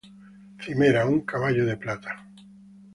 Cimera: Un caballo de plata.